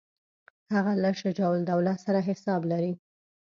هغه له شجاع الدوله سره حساب لري.